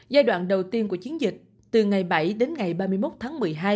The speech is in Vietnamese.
giai đoạn đầu tiên của chiến dịch từ ngày bảy đến ngày ba mươi một tháng một mươi hai